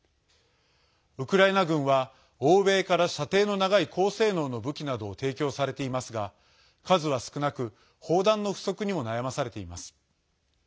ウクライナ軍は欧米から射程の長い高性能の武器などを提供されていますが数は少なく砲弾の不足にも悩まされています。